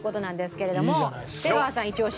出川さんイチ押し。